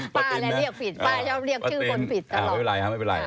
ป้าแหละเรียกผิดป้าจะเรียกชื่อคนผิดตลอด